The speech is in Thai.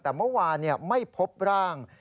แต่เมื่อวานไม่พบร่าง